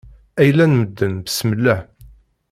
Ayla n medden besmelleh!